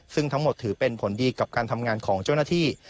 ซึ่งทั้งหมดถือเป็นผลดีกับการทำงานของเจ้าหน้าที่